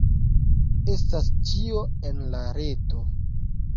Estas ĉio en la reto.